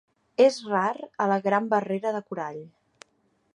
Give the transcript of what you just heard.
És rar a la Gran Barrera de Corall.